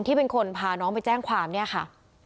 ที่เป็นคนพาน้องไปแจ้งความเนี่ยค่ะ